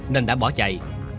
nên đã bỏ chạy